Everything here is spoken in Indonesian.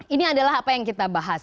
ini adalah apa yang kita bahas